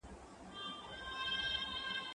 لاس د زهشوم له خوا مينځل کيږي!.